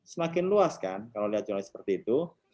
semakin luas kan kalau lihat jumlahnya seperti itu